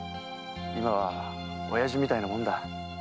今は親父みたいなもんだ。